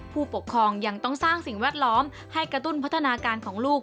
ผู้ปกครองยังต้องสร้างสิ่งแวดล้อมให้กระตุ้นพัฒนาการของลูก